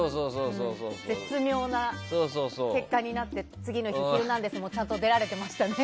絶妙な結果になって次の日、「ヒルナンデス！」もちゃんと出られてましたね。